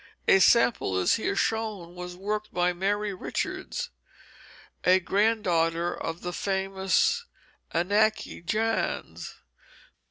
A sample is here shown which was worked by Mary Richards, a granddaughter of the famous Anneke Jans.